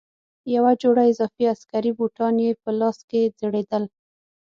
یوه جوړه اضافي عسکري بوټان یې په لاس کې ځړېدل.